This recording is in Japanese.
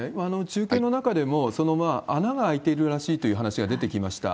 中継の中でも、穴が開いているらしいという話が出てきました。